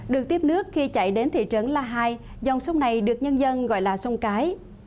được tiếp nước khi chạy đến thị trấn la hai dòng sông này được nhân dân gọi là sông cái